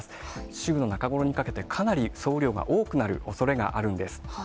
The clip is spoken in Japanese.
週の中頃にかけて、かなり総雨量が多くなるおそれがあるんです。